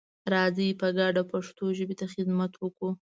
راځئ په ګډه پښتو ژبې ته خدمت وکړو.